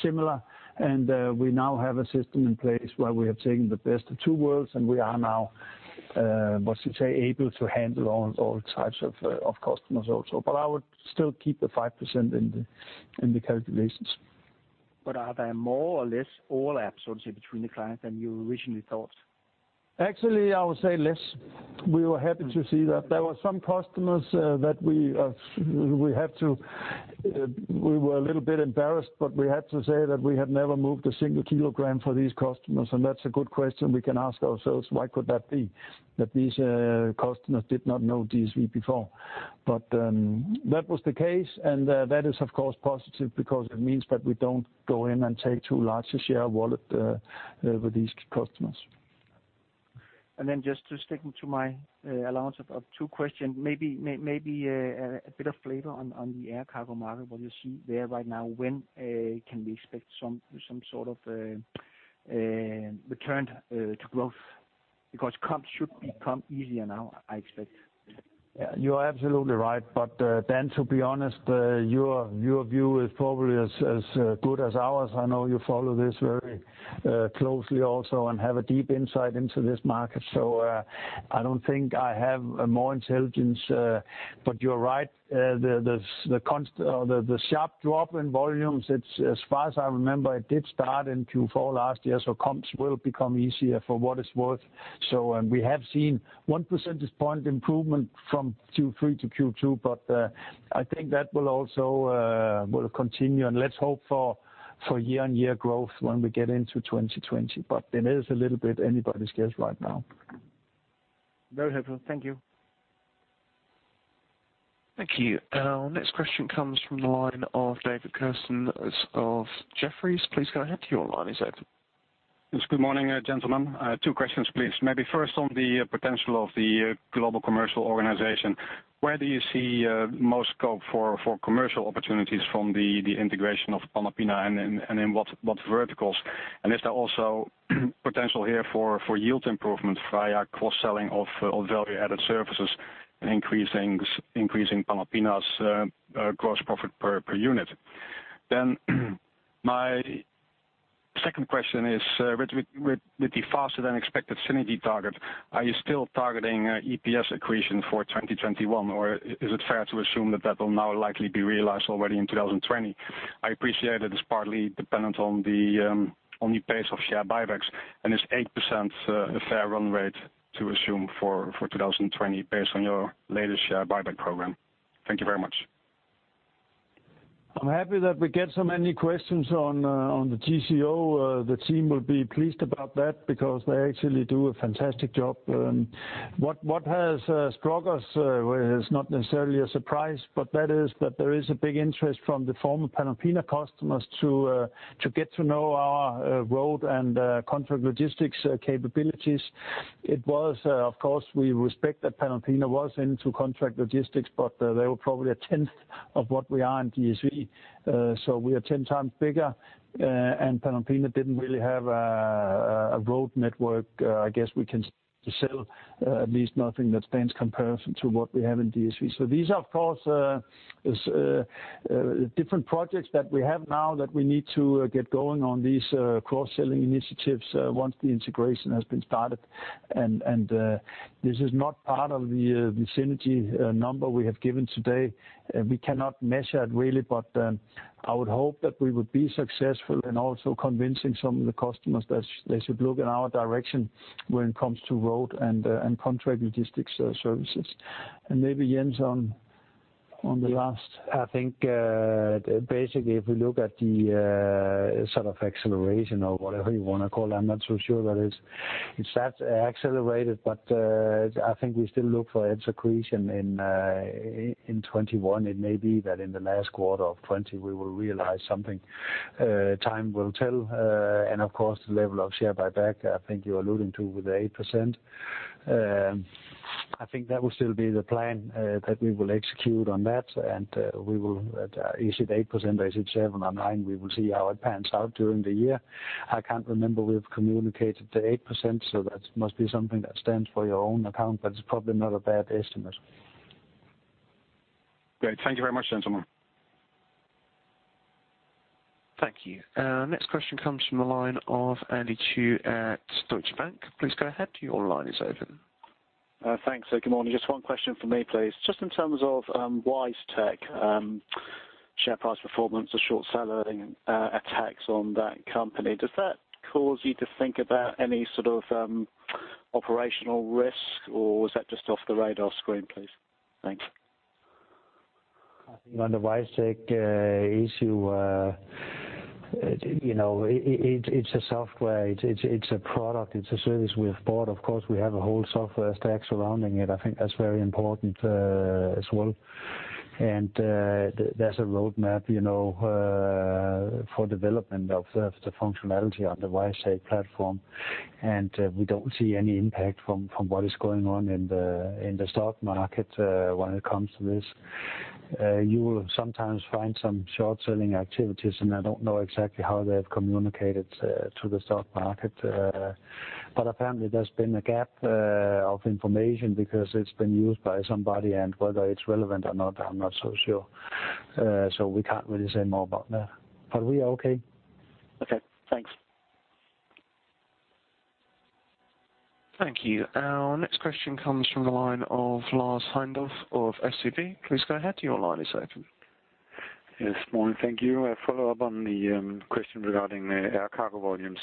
similar, and we now have a system in place where we have taken the best of two worlds, and we are now able to handle all types of customers also. I would still keep the 5% in the calculations. Are there more or less overlap, so to say, between the clients than you originally thought? Actually, I would say less. We were happy to see that there were some customers that we were a little bit embarrassed, but we had to say that we had never moved a single kilogram for these customers. That's a good question we can ask ourselves. Why could that be, that these customers did not know DSV before? That was the case. That is, of course, positive because it means that we don't go in and take too large a share of wallet with these customers. Just to stick to my allowance of two questions, maybe a bit of flavor on the air cargo market. What you see there right now, when can we expect some sort of return to growth? Comps should become easier now, I expect. You are absolutely right. To be honest, your view is probably as good as ours. I know you follow this very closely also and have a deep insight into this market. I don't think I have more intelligence. You're right, the sharp drop in volumes, as far as I remember, it did start in Q4 last year. Comps will become easier for what it's worth. And we have seen one percentage point improvement from Q3 to Q2. I think that will also continue, and let's hope for year-on-year growth when we get into 2020. It is a little bit anybody's guess right now. Very helpful. Thank you. Thank you. Our next question comes from the line of David Kerstens of Jefferies. Please go ahead, your line is open. Yes, good morning, gentlemen. Two questions, please. First on the potential of the global commercial organization. Where do you see most scope for commercial opportunities from the integration of Panalpina, and in what verticals? Is there also potential here for yield improvement via cross-selling of value-added services and increasing Panalpina's gross profit per unit? My second question is, with the faster-than-expected synergy target, are you still targeting EPS accretion for 2021, or is it fair to assume that that will now likely be realized already in 2020? I appreciate it is partly dependent on the pace of share buybacks, and is 8% a fair run rate to assume for 2020 based on your latest share buyback program? Thank you very much. I'm happy that we get so many questions on the GCO. The team will be pleased about that because they actually do a fantastic job. What has struck us, is not necessarily a surprise, but that is that there is a big interest from the former Panalpina customers to get to know our Road and contract logistics capabilities. It was, of course, we respect that Panalpina was into contract logistics, but they were probably a 10th of what we are in DSV. We are 10 times bigger, and Panalpina didn't really have a road network. I guess we can sell at least nothing that stands comparison to what we have in DSV. These are, of course, different projects that we have now that we need to get going on these cross-selling initiatives, once the integration has been started. This is not part of the synergy number we have given today. We cannot measure it really, but I would hope that we would be successful in also convincing some of the customers that they should look in our direction when it comes to Road and contract logistics services. Maybe, Jens, on the last. I think, basically, if we look at the sort of acceleration or whatever you want to call it, I'm not so sure that it's that accelerated, but, I think we still look for its accretion in 2021. It may be that in the last quarter of 2020, we will realize something. Time will tell. Of course, the level of share buyback, I think you're alluding to with the 8%. I think that will still be the plan that we will execute on that, we will, is it 8%, is it seven or nine? We will see how it pans out during the year. I can't remember we've communicated the 8%, so that must be something that stands for your own account, but it's probably not a bad estimate. Great. Thank you very much, gentlemen. Thank you. Next question comes from the line of Andy Chu at Deutsche Bank. Please go ahead, your line is open. Thanks. Good morning. Just one question from me, please. Just in terms of WiseTech, share price performance or short selling attacks on that company, does that cause you to think about any sort of operational risk, or is that just off the radar screen, please? Thanks. On the WiseTech issue, it's a software, it's a product, it's a service we have bought. Of course, we have a whole software stack surrounding it. I think that's very important as well. There's a roadmap for development of the functionality on the WiseTech platform, and we don't see any impact from what is going on in the stock market when it comes to this. You will sometimes find some short-selling activities, and I don't know exactly how they have communicated to the stock market. Apparently, there's been a gap of information because it's been used by somebody, and whether it's relevant or not, I'm not so sure. We can't really say more about that. We are okay. Okay, thanks. Thank you. Our next question comes from the line of Lars Heindorff of SEB. Please go ahead, your line is open. Yes, morning. Thank you. A follow-up on the question regarding air cargo volumes.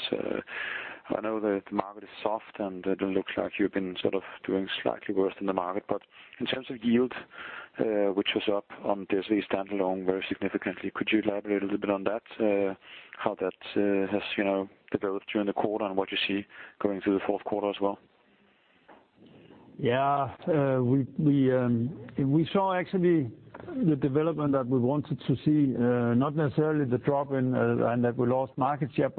I know that the market is soft, and it looks like you've been sort of doing slightly worse than the market, but in terms of yield, which was up on DSV standalone very significantly, could you elaborate a little bit on that? How that has developed during the quarter, and what you see going through the fourth quarter as well? We saw actually the development that we wanted to see, not necessarily the drop and that we lost market share,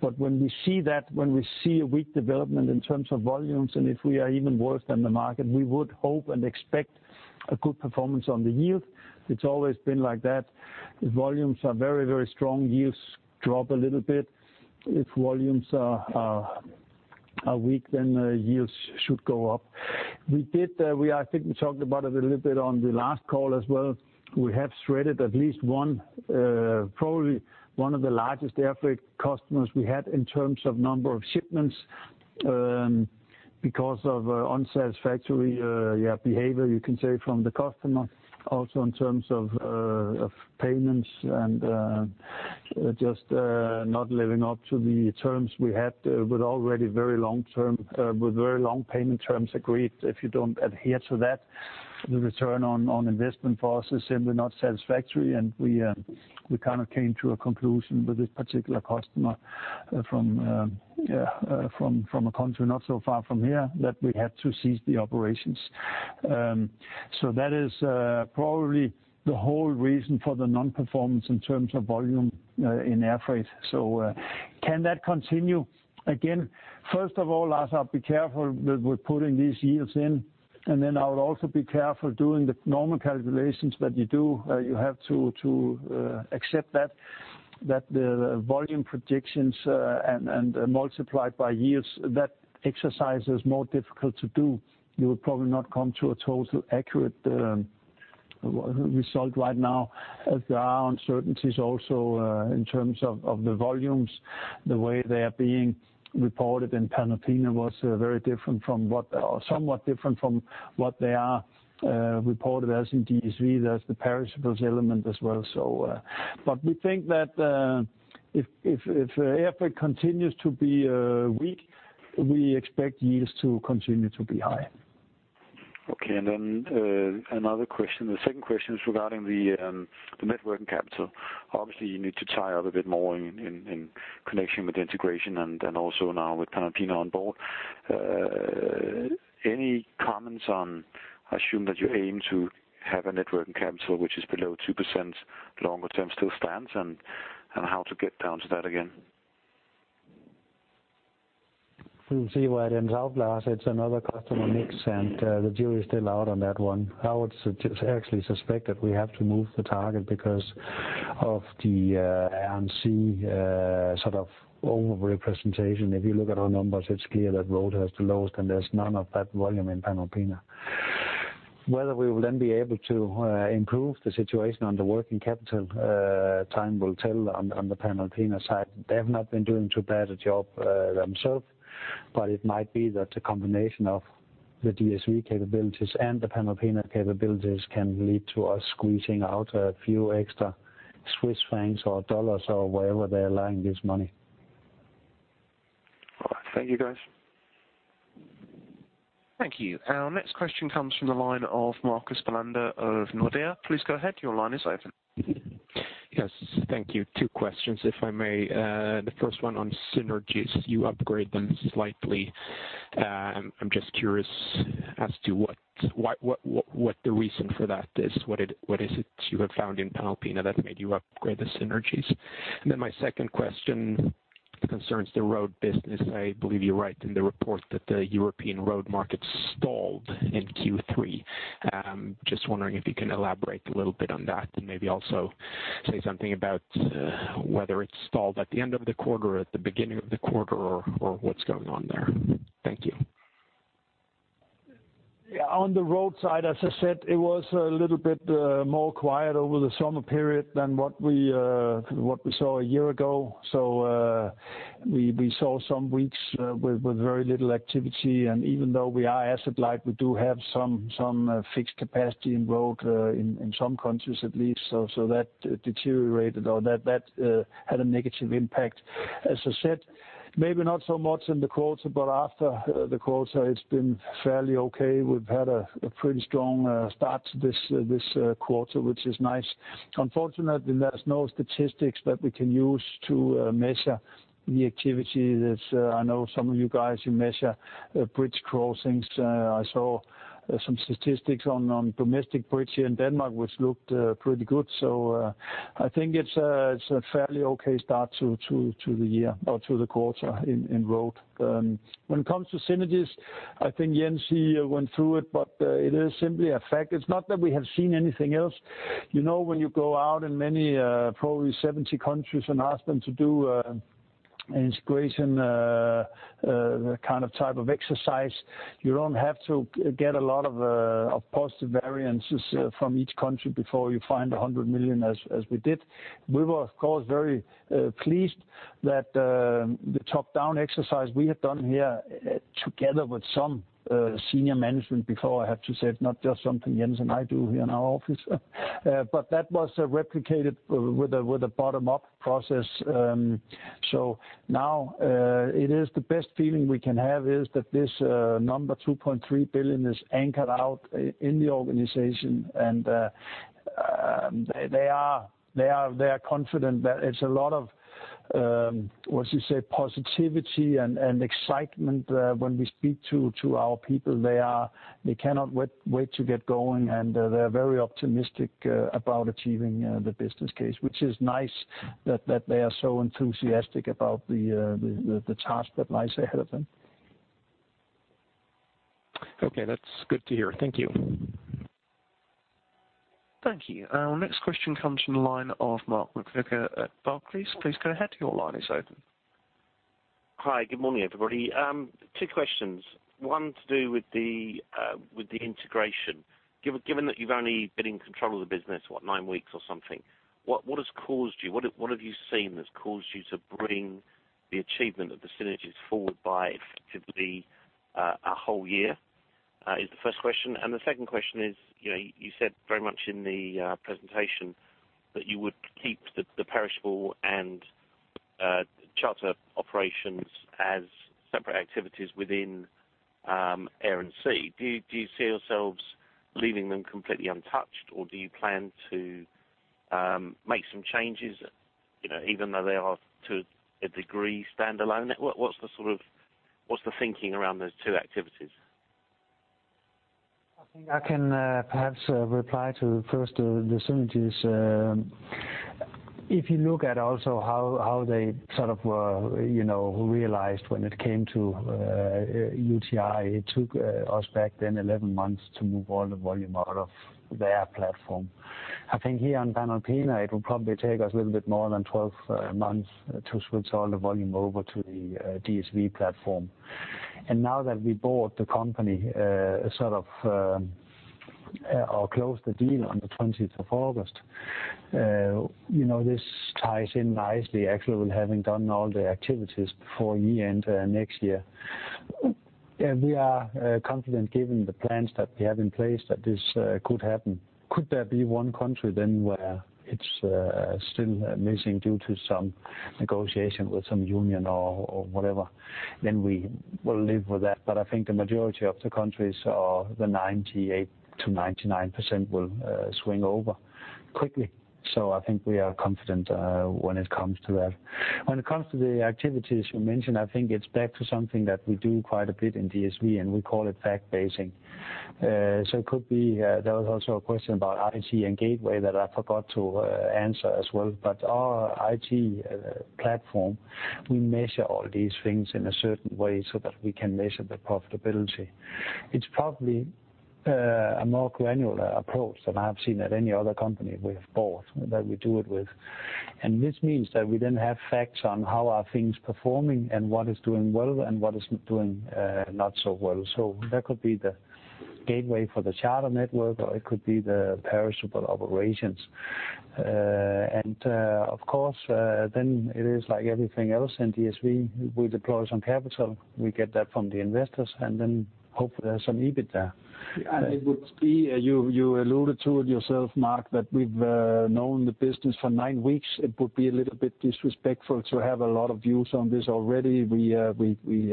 but when we see that, when we see a weak development in terms of volumes, and if we are even worse than the market, we would hope and expect a good performance on the yield. It's always been like that. If volumes are very strong, yields drop a little bit. If volumes are weak, then yields should go up. I think we talked about it a little bit on the last call as well. We have shredded at least, probably, one of the largest air freight customers we had in terms of number of shipments, because of unsatisfactory behavior, you can say, from the customer, also in terms of payments and just not living up to the terms we had with very long payment terms agreed. If you don't adhere to that, the return on investment for us is simply not satisfactory, and we kind of came to a conclusion with this particular customer from a country not so far from here, that we had to cease the operations. That is probably the whole reason for the non-performance in terms of volume in air freight. Can that continue? Again, first of all, Lars, I'll be careful with putting these yields in, and then I would also be careful doing the normal calculations that you do. You have to accept that the volume projections and multiplied by yields, that exercise is more difficult to do. You would probably not come to a total accurate result right now, as there are uncertainties also in terms of the volumes. The way they're being reported in Panalpina was somewhat different from what they are reported as in DSV. There's the perishables element as well. We think that if air freight continues to be weak, we expect yields to continue to be high. Okay, the second question is regarding the net working capital. Obviously, you need to tie up a bit more in connection with the integration also now with Panalpina on board. Any comments on, I assume that you aim to have a net working capital which is below 2% longer term still stands, how to get down to that again? We'll see where it ends out, Lars. It's another customer mix. The jury is still out on that one. I would actually suspect that we have to move the target because of the Air & Sea sort of overrepresentation. If you look at our numbers, it's clear that Road has the lowest. There's none of that volume in Panalpina. Whether we will then be able to improve the situation on the working capital, time will tell on the Panalpina side. They have not been doing too bad a job themselves. It might be that the combination of the DSV capabilities and the Panalpina capabilities can lead to us squeezing out a few extra Swiss francs or dollars or wherever they're lying, this money. All right. Thank you, guys. Thank you. Our next question comes from the line of Marcus Bellander of Nordea. Please go ahead. Your line is open. Yes. Thank you. Two questions, if I may. The first one on synergies. You upgrade them slightly. I'm just curious as to what the reason for that is. What is it you have found in Panalpina that made you upgrade the synergies? My second question concerns the Road business. I believe you write in the report that the European road market stalled in Q3. Just wondering if you can elaborate a little bit on that and maybe also say something about whether it stalled at the end of the quarter or at the beginning of the quarter or what's going on there. Thank you. On the Road side, as I said, it was a little bit quieter over the summer period than what we saw a year ago. We saw some weeks with very little activity, and even though we are asset-light, we do have some fixed capacity in Road, in some countries at least. That deteriorated, or that had a negative impact. As I said, maybe not so much in the quarter, but after the quarter it's been fairly okay. We've had a pretty strong start to this quarter, which is nice. Unfortunately, there's no statistics that we can use to measure the activity. I know some of you guys, you measure bridge crossings. I saw some statistics on domestic bridge here in Denmark, which looked pretty good. I think it's a fairly okay start to the year or to the quarter in Road. When it comes to synergies, I think Jens, he went through it, but it is simply a fact. It's not that we have seen anything else. When you go out in many, probably 70 countries, and ask them to do an integration type of exercise, you don't have to get a lot of positive variances from each country before you find 100 million as we did. We were, of course, very pleased that the top-down exercise we had done here, together with some senior management before, I have to say, not just something Jens and I do here in our office. That was replicated with a bottom-up process. Now, the best feeling we can have is that this number, 2.3 billion, is anchored out in the organization, and they are confident that it's a lot of, what you say, positivity and excitement when we speak to our people. They cannot wait to get going, and they're very optimistic about achieving the business case, which is nice that they are so enthusiastic about the task that lies ahead of them. Okay. That's good to hear. Thank you. Thank you. Our next question comes from the line of Mark McVicar at Barclays. Please go ahead, your line is open. Hi, good morning, everybody. Two questions. One to do with the integration. Given that you've only been in control of the business, what, nine weeks or something, what have you seen that's caused you to bring the achievement of the synergies forward by effectively a whole year? Is the first question. The second question is, you said very much in the presentation that you would keep the perishable and charter operations as separate activities within Air & Sea. Do you see yourselves leaving them completely untouched, or do you plan to make some changes, even though they are to a degree, standalone? What's the thinking around those two activities? I think I can perhaps reply to first, the synergies. If you look at also how they sort of realized when it came to UTi, it took us back then 11 months to move all the volume out of their platform. I think here on Panalpina, it will probably take us a little bit more than 12 months to switch all the volume over to the DSV platform. Now that we bought the company, or closed the deal on the 20th of August, this ties in nicely, actually, with having done all the activities before year-end next year. We are confident, given the plans that we have in place, that this could happen. Could there be one country then where it's still missing due to some negotiation with some union or whatever, then we will live with that. I think the majority of the countries or the 98% to 99% will swing over quickly. I think we are confident when it comes to that. When it comes to the activities you mentioned, I think it's back to something that we do quite a bit in DSV, and we call it fact-basing. It could be, there was also a question about IT and Gateway that I forgot to answer as well. Our IT platform, we measure all these things in a certain way so that we can measure the profitability. It's probably a more granular approach than I have seen at any other company we have bought, that we do it with. This means that we then have facts on how are things performing and what is doing well and what is doing not so well. That could be the Gateway for the charter network, or it could be the perishable operations. Of course, then it is like everything else in DSV, we deploy some capital, we get that from the investors, and then hopefully there is some EBIT there. It would be, you alluded to it yourself, Mark, that we've known the business for nine weeks. It would be a little bit disrespectful to have a lot of views on this already.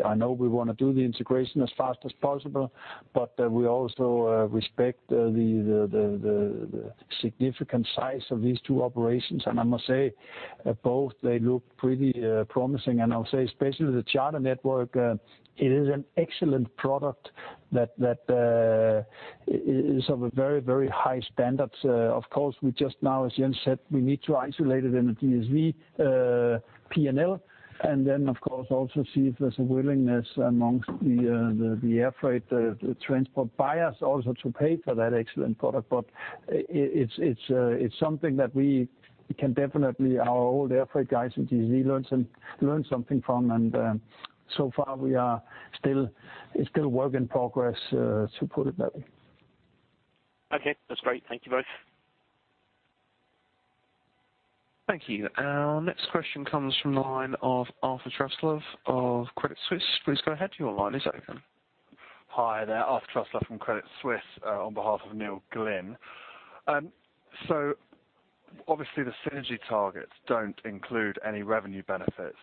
I know we want to do the integration as fast as possible, we also respect the significant size of these two operations. I must say, both, they look pretty promising. I would say, especially the charter network, it is an excellent product that is of a very, very high standard. Of course, we just now, as Jens said, we need to isolate it in a DSV P&L, and then, of course, also see if there's a willingness amongst the air freight transport buyers also to pay for that excellent product. It's something that we can definitely, our old air freight guys in DSV, learn something from. So far, it's still work in progress, to put it that way. Okay, that's great. Thank you both. Thank you. Our next question comes from the line of Arthur Truslove of Credit Suisse. Please go ahead. Your line is open. Hi there, Arthur Truslove from Credit Suisse on behalf of Neil Glynn. Obviously, the synergy targets don't include any revenue benefits.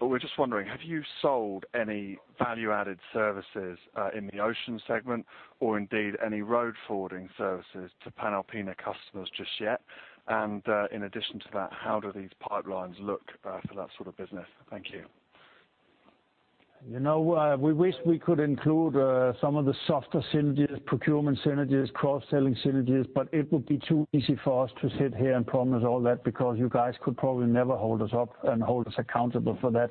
We're just wondering, have you sold any value-added services in the ocean segment, or indeed any road forwarding services to Panalpina customers just yet? In addition to that, how do these pipelines look for that sort of business? Thank you. We wish we could include some of the softer synergies, procurement synergies, cross-selling synergies, but it would be too easy for us to sit here and promise all that, because you guys could probably never hold us up and hold us accountable for that.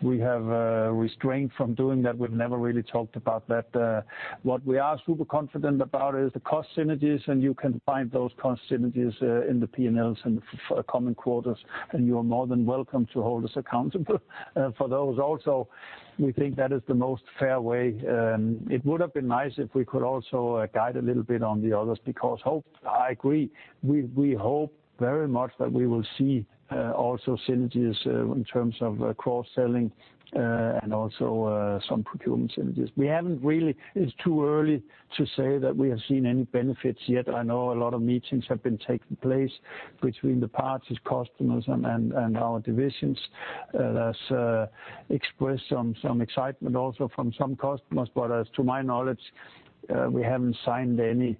We have restrained from doing that. We've never really talked about that. What we are super confident about is the cost synergies, and you can find those cost synergies in the P&Ls and for coming quarters, and you are more than welcome to hold us accountable for those. Also, we think that is the most fair way. It would've been nice if we could also guide a little bit on the others, because I agree, we hope very much that we will see also synergies in terms of cross-selling and also some procurement synergies. It's too early to say that we have seen any benefits yet. I know a lot of meetings have been taking place between the parties, customers, and our divisions. There's expressed some excitement also from some customers. As to my knowledge, we haven't signed any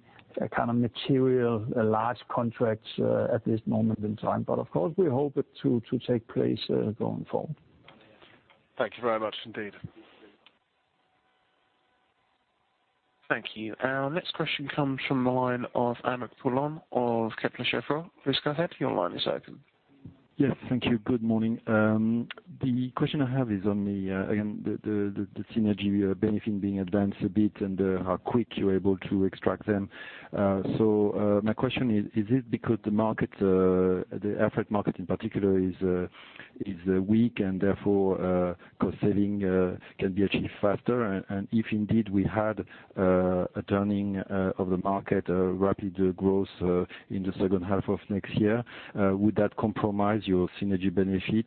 kind of material, large contracts at this moment in time. Of course, we hope it to take place going forward. Thank you very much indeed. Thank you. Our next question comes from the line of Aymeric Poulain of Kepler Cheuvreux. Please go ahead. Your line is open. Yes. Thank you. Good morning. The question I have is on the, again, the synergy benefit being advanced a bit and how quick you're able to extract them. My question is it because the air freight market, in particular, is weak and therefore, cost saving can be achieved faster? If indeed we had a turning of the market, a rapid growth in the second half of next year, would that compromise your synergy benefit,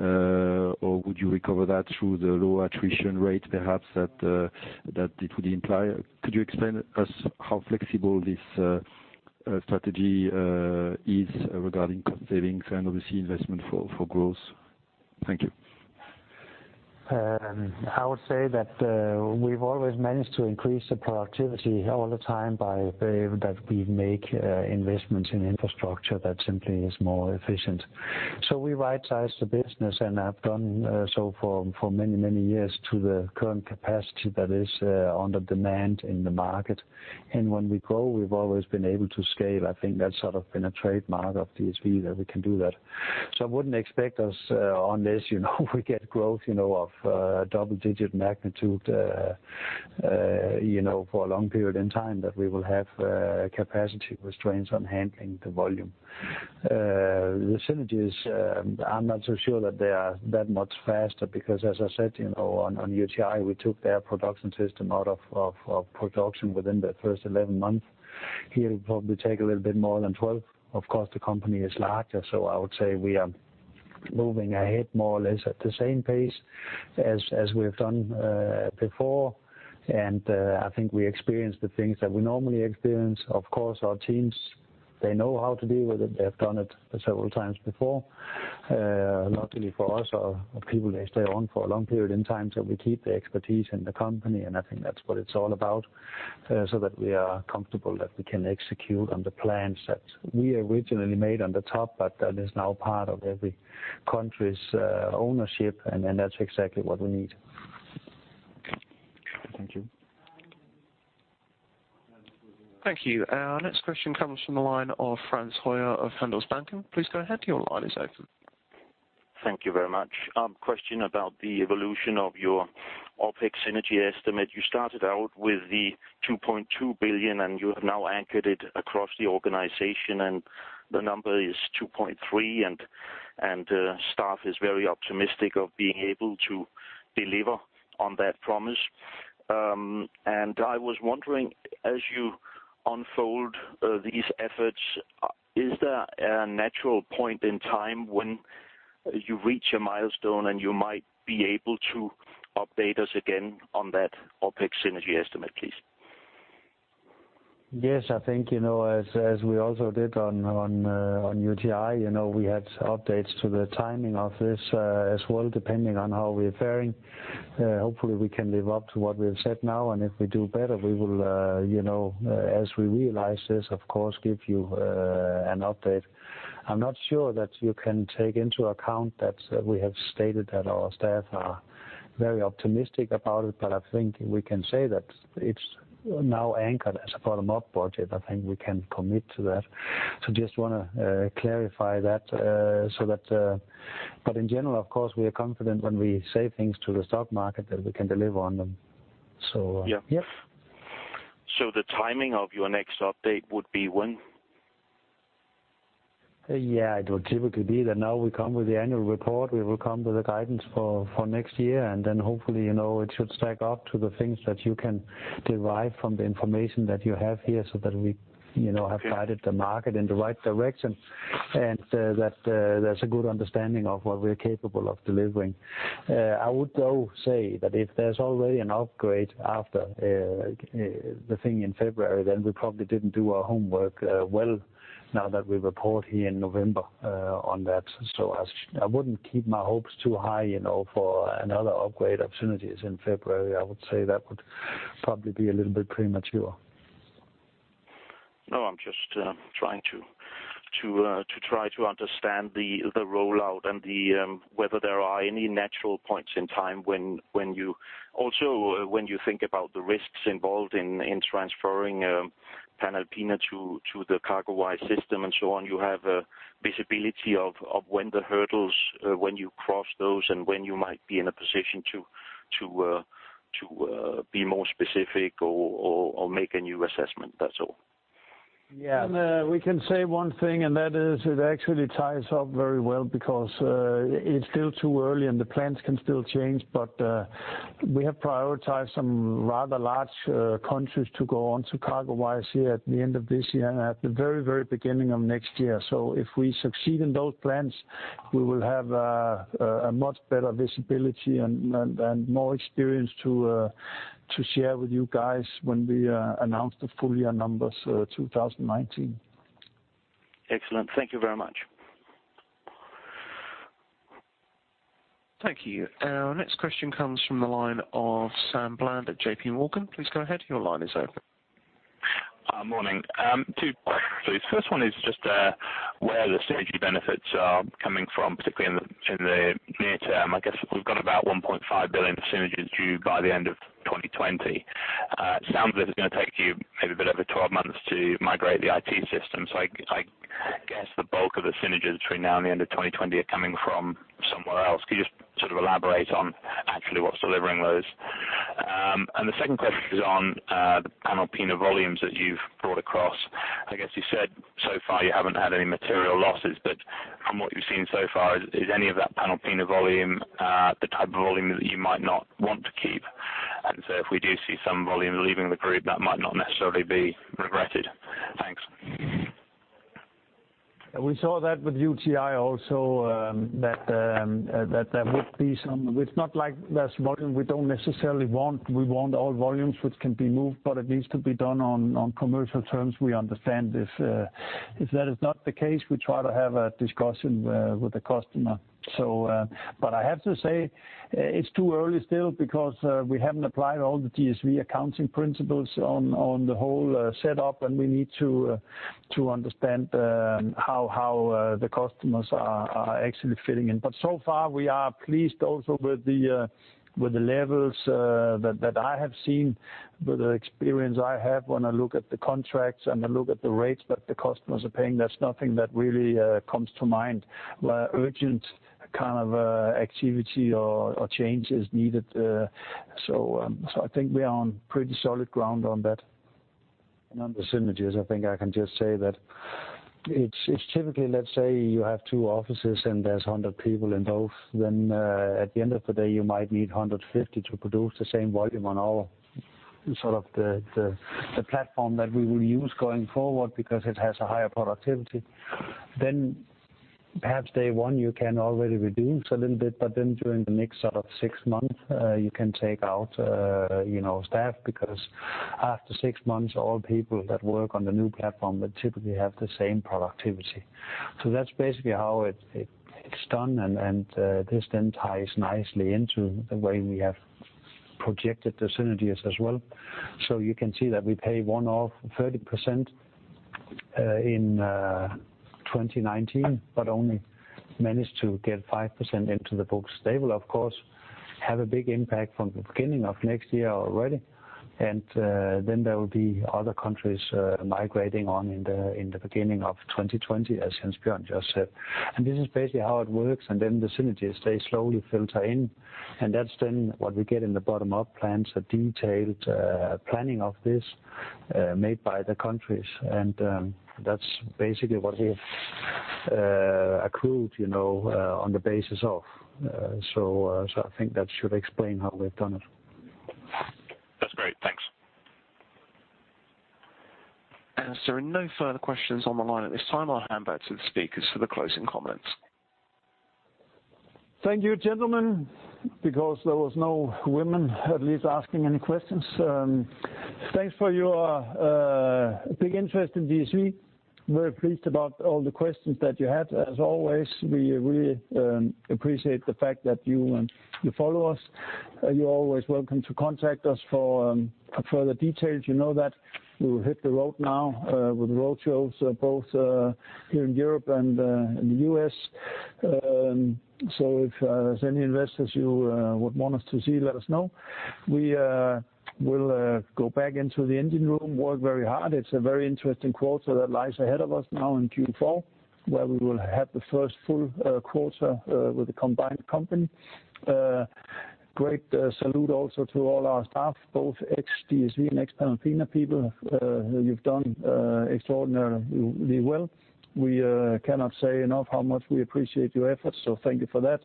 or would you recover that through the low attrition rate, perhaps, that it would imply? Could you explain to us how flexible this strategy is regarding cost savings and obviously investment for growth? Thank you. I would say that we've always managed to increase the productivity all the time by the way that we make investments in infrastructure that simply is more efficient. We right-size the business, and have done so for many, many years to the current capacity that is under demand in the market. When we grow, we've always been able to scale. I think that's sort of been a trademark of DSV, that we can do that. I wouldn't expect us, unless we get growth of double-digit magnitude for a long period in time, that we will have capacity restraints on handling the volume. The synergies, I'm not so sure that they are that much faster because as I said, on UTi, we took their production system out of production within the first 11 months. Here, it'll probably take a little bit more than 12. The company is larger, so I would say we are moving ahead more or less at the same pace as we've done before. I think we experience the things that we normally experience. Our teams, they know how to deal with it. They have done it several times before. Luckily for us, our people, they stay on for a long period in time, so we keep the expertise in the company, and I think that's what it's all about, so that we are comfortable that we can execute on the plans that we originally made on the top, but that is now part of every country's ownership, and that's exactly what we need. Thank you. Thank you. Our next question comes from the line of Frans Hoyer of Handelsbanken. Please go ahead. Your line is open. Thank you very much. Question about the evolution of your OpEx synergy estimate. You started out with the 2.2 billion, and you have now anchored it across the organization, and the number is 2.3, and the staff is very optimistic of being able to deliver on that promise. I was wondering, as you unfold these efforts, is there a natural point in time when you reach a milestone, and you might be able to update us again on that OpEx synergy estimate, please? I think, as we also did on UTi, we had updates to the timing of this as well, depending on how we're faring. We can live up to what we have said now, and if we do better, we will, as we realize this, of course, give you an update. I'm not sure that you can take into account that we have stated that our staff are very optimistic about it, but I think we can say that it's now anchored as a bottom-up budget. I think we can commit to that. Just want to clarify that. In general, of course, we are confident when we say things to the stock market that we can deliver on them. Yes. The timing of your next update would be when? It will typically be that now we come with the annual report, we will come to the guidance for next year, hopefully, it should stack up to the things that you can derive from the information that you have here so that we have guided the market in the right direction, there's a good understanding of what we're capable of delivering. I would though say that if there's already an upgrade after the thing in February, we probably didn't do our homework well now that we report here in November on that. I wouldn't keep my hopes too high for another upgrade opportunities in February. I would say that would probably be a little bit premature. No, I'm just trying to understand the rollout and whether there are any natural points in time when you think about the risks involved in transferring Panalpina to the CargoWise system and so on, you have visibility of when the hurdles, when you cross those, and when you might be in a position to be more specific or make a new assessment. That's all. Yeah. We can say one thing, and that is it actually ties up very well because it is still too early and the plans can still change. We have prioritized some rather large countries to go onto CargoWise here at the end of this year and at the very beginning of next year. If we succeed in those plans, we will have a much better visibility and more experience to share with you guys when we announce the full year numbers 2019. Excellent. Thank you very much. Thank you. Our next question comes from the line of Sam Bland at JP Morgan. Please go ahead. Your line is open. Morning. Two questions, please. Two questions, please. First one is just where the synergy benefits are coming from, particularly in the near term. I guess we've got about 1.5 billion of synergies due by the end of 2020. It sounds as if it's going to take you maybe a bit over 12 months to migrate the IT system. I guess the bulk of the synergies between now and the end of 2020 are coming from somewhere else. Can you just elaborate on actually what's delivering those? The second question is on the Panalpina volumes that you've brought across. I guess you said so far you haven't had any material losses, but from what you've seen so far, is any of that Panalpina volume the type of volume that you might not want to keep? If we do see some volume leaving the group, that might not necessarily be regretted. Thanks. We saw that with UTi also, that there would be some. It's not like there's volume we don't necessarily want. We want all volumes which can be moved, but it needs to be done on commercial terms. We understand if that is not the case, we try to have a discussion with the customer. I have to say it's too early still because we haven't applied all the DSV accounting principles on the whole setup, and we need to understand how the customers are actually fitting in. So far, we are pleased also with the levels that I have seen, with the experience I have when I look at the contracts and I look at the rates that the customers are paying. There's nothing that really comes to mind where urgent kind of activity or change is needed. I think we are on pretty solid ground on that. On the synergies, I think I can just say that it's typically, let's say you have two offices and there's 100 people in both, at the end of the day, you might need 150 to produce the same volume on all sort of the platform that we will use going forward because it has a higher productivity. Perhaps day one, you can already reduce a little bit, during the next sort of 6 months, you can take out staff because after 6 months, all people that work on the new platform will typically have the same productivity. That's basically how it's done, This then ties nicely into the way we have projected the synergies as well. You can see that we pay one-off 30% in 2019, Only managed to get 5% into the books. They will, of course, have a big impact from the beginning of next year already. There will be other countries migrating on in the beginning of 2020, as Jens Bjørn just said. This is basically how it works, and then the synergies, they slowly filter in. That's then what we get in the bottom-up plans, a detailed planning of this made by the countries. That's basically what we've accrued on the basis of. I think that should explain how we've done it. That's great. Thanks. As there are no further questions on the line at this time, I'll hand back to the speakers for the closing comments. Thank you, gentlemen, because there was no women at least asking any questions. Thanks for your big interest in DSV. Very pleased about all the questions that you had. As always, we really appreciate the fact that you follow us. You're always welcome to contact us for further details, you know that. We will hit the road now with roadshows both here in Europe and in the U.S. If there's any investors you would want us to see, let us know. We will go back into the engine room, work very hard. It's a very interesting quarter that lies ahead of us now in Q4, where we will have the first full quarter with the combined company. Great salute also to all our staff, both ex DSV and ex Panalpina people. You've done extraordinarily well. We cannot say enough how much we appreciate your efforts. Thank you for that.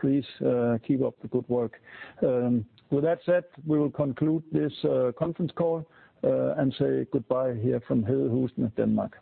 Please keep up the good work. With that said, we will conclude this conference call and say goodbye here from Hedehusene, Denmark.